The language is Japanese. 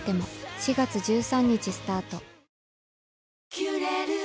「キュレル」